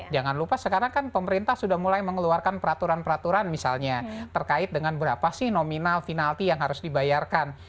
jangan lupa sekarang kan pemerintah sudah mulai mengeluarkan peraturan peraturan misalnya terkait dengan berapa sih nominal penalti yang harus dibayarkan